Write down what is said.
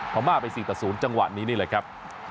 พม่าไป๔ต่อ๐จังหวะนี้นี่แหละครับ